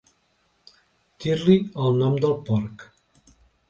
Dir-li el nom del porc.